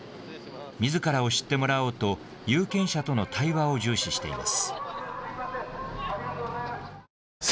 みずからを知ってもらおうと、有権者との対話を重視しています。